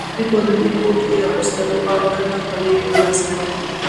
لوی باراني کوټ یې اغوستی وو او لنده خولۍ یې په لاس کې وه.